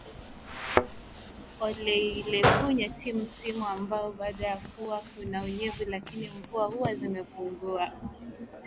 Oleilepunye ni msimu ambao bado huwa kuna unyevu lakini mvua huwa zimepunguwa